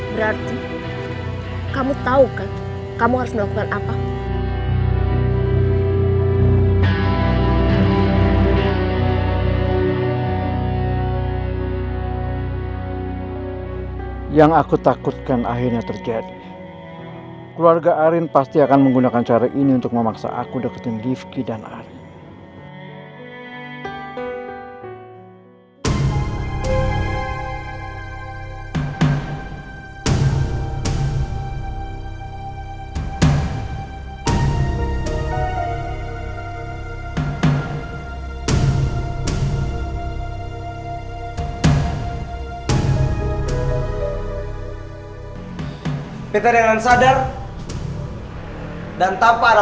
berarti kamu tahu kan kamu harus melakukan apa